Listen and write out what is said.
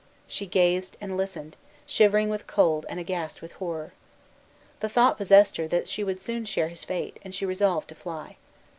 She gazed and listened, shivering with cold and aghast with horror. The thought possessed her that she would soon share his fate, and she resolved to fly.